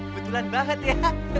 kebetulan banget ya